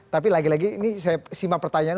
tapi lagi lagi ini saya simak pertanyaan